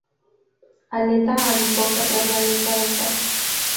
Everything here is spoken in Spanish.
Aleta adiposa tras la aleta dorsal.